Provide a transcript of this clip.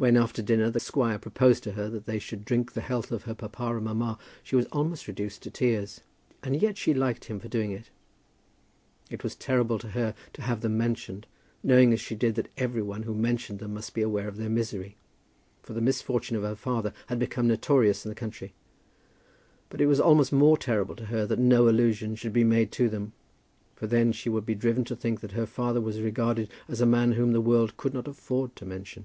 When after dinner the squire proposed to her that they should drink the health of her papa and mamma, she was almost reduced to tears, and yet she liked him for doing it. It was terrible to her to have them mentioned, knowing as she did that every one who mentioned them must be aware of their misery, for the misfortune of her father had become notorious in the country; but it was almost more terrible to her that no allusion should be made to them; for then she would be driven to think that her father was regarded as a man whom the world could not afford to mention.